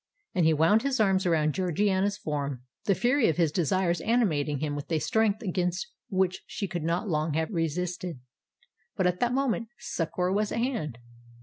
"—and he wound his arms around Georgiana's form, the fury of his desires animating him with a strength against which she could not long have resisted. But at that moment succour was at hand!